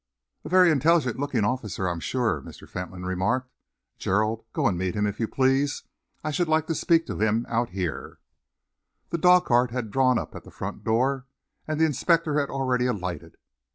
"A very intelligent looking officer, I am sure," Mr. Fentolin remarked. "Gerald, go and meet him, if you please. I should like to speak to him out here." The dog cart had drawn up at the front door, and the inspector had already alighted.